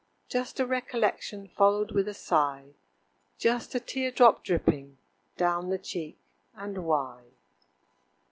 Just a recollection Followed with a sigh; Just a teardrop dripping Down the cheek, and why?